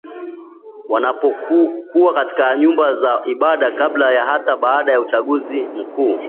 wanapokuwa katika nyumba za ibada kabla na hata baada ya uchaguzi mkuu